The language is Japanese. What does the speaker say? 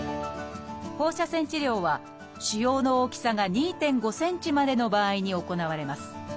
放射線治療は腫瘍の大きさが２．５ｃｍまでの場合に行われます。